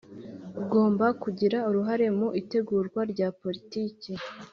Ugomba kugira uruhare mu itegurwa rya politiki